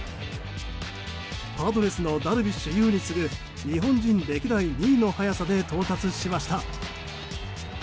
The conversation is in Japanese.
パドレスのダルビッシュ有に次ぐ日本人歴代２位の速さで到達しました。